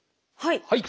はい！